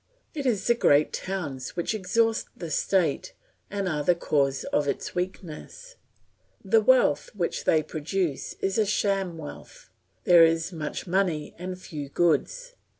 It is the great towns which exhaust the state and are the cause of its weakness; the wealth which they produce is a sham wealth, there is much money and few goods.